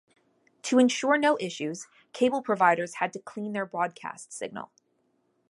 To ensure no issues, cable providers had to "clean" their broadcast signal.